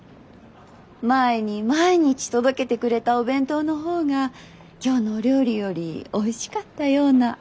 前に毎日届けてくれたお弁当の方が今日のお料理よりおいしかったような。